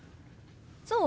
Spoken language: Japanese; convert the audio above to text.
そう？